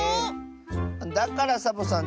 だからサボさん